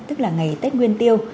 tức là ngày tết nguyên tiêu